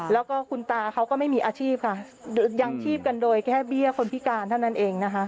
แล้วก็คุณตาเขาก็ไม่มีอาชีพค่ะยังชีพกันโดยแค่เบี้ยคนพิการเท่านั้นเองนะคะ